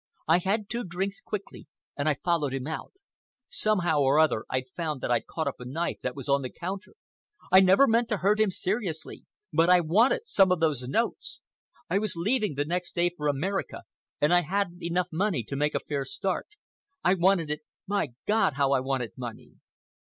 I had two drinks quickly and I followed him out. Somehow or other, I found that I'd caught up a knife that was on the counter. I never meant to hurt him seriously, but I wanted some of those notes! I was leaving the next day for Africa and I hadn't enough money to make a fair start. I wanted it—my God, how I wanted money!"